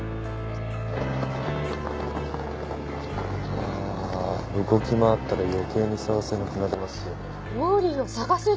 あーあ動き回ったら余計に捜せなくなりますよね。